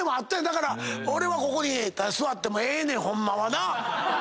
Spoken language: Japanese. だから俺はここに座ってもええねんホンマはな。